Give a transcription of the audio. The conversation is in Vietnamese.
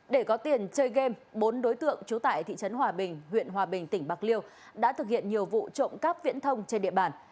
để có tiền chơi game bốn đối tượng trú tại thị trấn hòa bình huyện hòa bình tỉnh bạc liêu đã thực hiện nhiều vụ trộm cắp viễn thông trên địa bàn